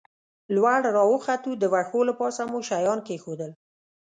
لوړ را وختو، د وښو له پاسه مو شیان کېښوول.